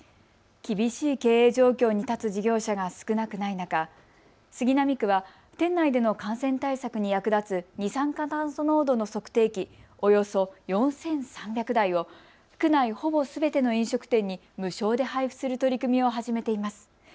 厳しい経営状況に立つ事業者が少なくない中、杉並区は店内での感染対策に役立つ二酸化炭素濃度の測定器およそ４３００台を区内ほぼすべての飲食店に無償で配布する取り組みを始めています。